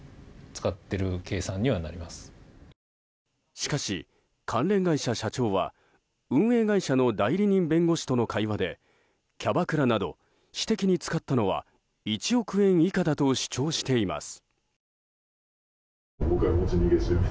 しかし、関連会社社長は運営会社代理人弁護士との会話でキャバクラなど私的に使ったのは１億円以下だと主張しています。